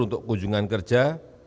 untuk kunjungan kerja